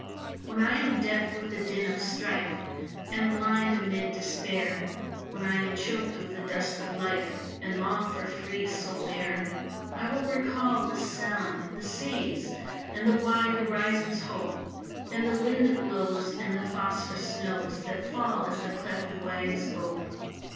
When I am deaf with the din of strife, And blind amid despair, When I am choked with the dust of life And long for free soul air, I will recall this sound the sea's, And the wide horizon's hope, And the wind that blows And the phosphor snows That fall as the cleft waves ope.